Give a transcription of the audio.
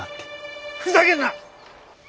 ふざけんな！